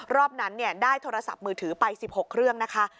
รอบนั้นได้โทรศัพท์มือถือไป๑๖เครื่องนะคะ